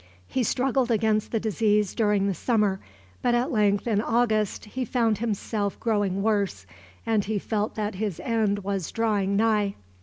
He struggled against the disease during the summer, but at length, in August, he found himself growing worse, and felt that his end was drawing nigh.